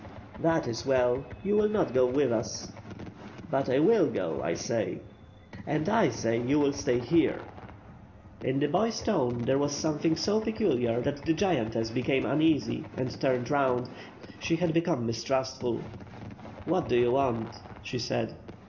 "That is well, you will not go with us." "But I will go, I say." "And I say you will stay here." In the boy's tone, there was something so peculiar that the giantess became uneasy and turned round; she had be come mistrustful. "What do you want?" she said.